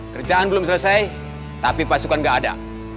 kerjaan belum selesai tapi pasukan nggak ada